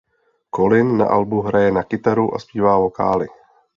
Colin na albu hraje na kytaru a zpívá vokály.